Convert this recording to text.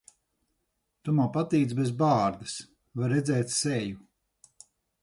Tu man patīc bez bārdas. Var redzēt seju.